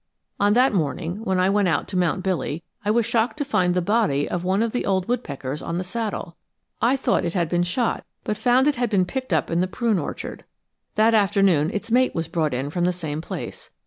On that morning, when I went out to mount Billy, I was shocked to find the body of one of the old woodpeckers on the saddle. I thought it had been shot, but found it had been picked up in the prune orchard. That afternoon its mate was brought in from the same place.